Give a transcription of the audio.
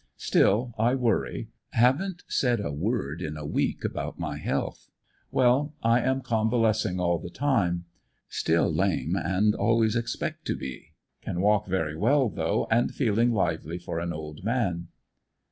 Still I worry. Haven't said a word in a week about my health. Well, I am convalescing all the time. Still lame, and always expect to be; can walk very well though, and feeling lively for an old man.